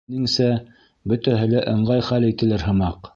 Минеңсә, бөтәһе лә ыңғай хәл ителер һымаҡ.